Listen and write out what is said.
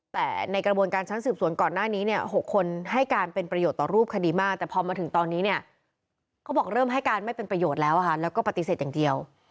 แต่ในกระบวนการชั้นสืบสวนก่อนหน้านี้เนี่ย๖คนให้การเป็นประโยชน์ต่อรูปคดีมากแต่พอมาถึงตอนนี้เนี่ยเขาบอกเริ่มให้การไม่เป็นประโยชน์แล้วแล้วก็ปฏิเสธอย่างเดียว